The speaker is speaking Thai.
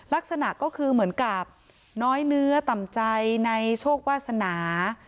ลักษณะก็คือเหมือนกับน้อยเนื้อต่ำใจในโชควาสนา